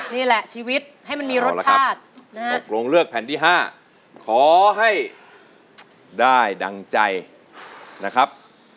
นี่แหละชีวิตให้มันมีรสชาตินะฮะตกลงเลือกแผ่นที่๕ขอให้ได้ดังใจนะครับ